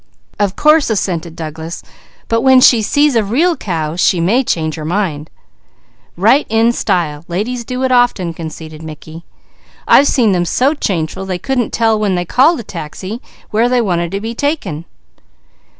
"Of course," assented Douglas. "But when she sees a real cow she may change her mind." "Right in style! Ladies do it often," conceded Mickey. "I've seen them so changeful they couldn't tell when they called a taxi where they wanted to be taken."